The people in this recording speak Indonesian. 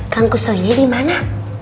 kangkus soy ini dimana